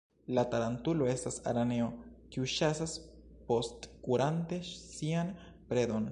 La tarantulo estas araneo, kiu ĉasas postkurante sian predon.